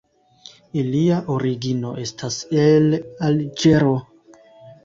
Ilia origino estas el Alĝero.